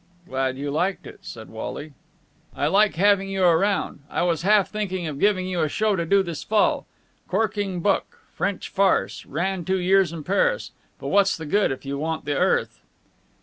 "Glad you liked it," said Wally. "You're a good kid. I like having you around. I was half thinking of giving you a show to do this Fall. Corking book. French farce. Ran two years in Paris. But what's the good, if you want the earth?"